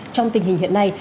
trong tình hình hiện nay